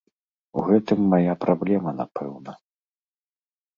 У гэтым мая праблема, напэўна.